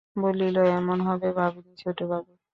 বলিল, এমন হবে ভাবিনি ছোটবাবু।